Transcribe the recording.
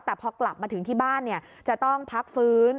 แต่พอกลับมาถึงที่บ้านจะต้องพักฟื้น